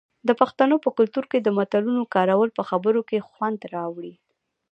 د پښتنو په کلتور کې د متلونو کارول په خبرو کې خوند راوړي.